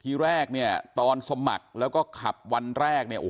ทีแรกเนี่ยตอนสมัครแล้วก็ขับวันแรกเนี่ยโอ้โห